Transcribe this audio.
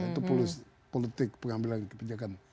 itu politik pengambilan kebijakan